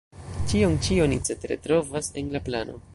Ĉion ĉi oni cetere trovas en la plano.